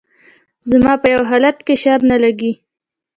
زما په يو حالت کښې شر نه لګي